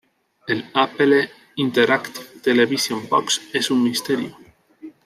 El Apple Interactive Television Box es un misterio.